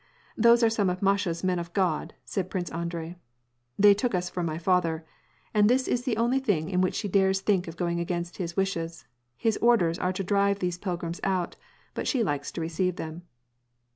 " Those are some of Masha's ' Men of God,' " said Prince Andrei. " They took us for my father. And this is the only thing in which she dares think of going against his wishes : his orders are to drive these pilgrims out, but she likes to re ceive them."